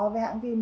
với hãng phim